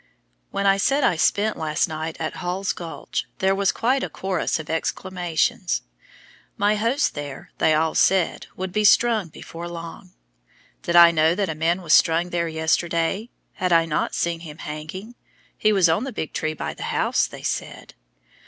When I said I spent last night at Hall's Gulch there was quite a chorus of exclamations. My host there, they all said, would be "strung" before long. Did I know that a man was "strung" there yesterday? Had I not seen him hanging? He was on the big tree by the house, they said.